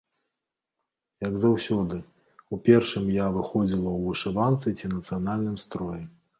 Як заўсёды, у першым я выходзіла ў вышыванцы ці нацыянальным строі.